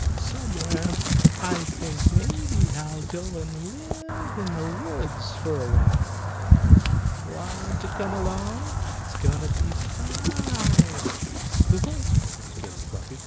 "Somewhere. I think maybe I'll go and live in the woods for awhile. Want to come along? It's going to be fine." "The woods!" broke in Fluffy.